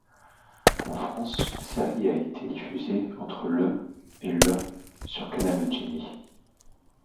En France, la série a été diffusée entre le et le sur Canal Jimmy.